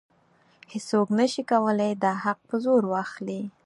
هیڅوک نشي کولی دا حق په زور واخلي.